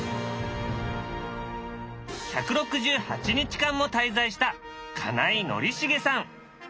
１６８日間も滞在した金井宣茂さん。